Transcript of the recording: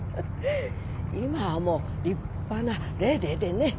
今はもう立派なレデエでね。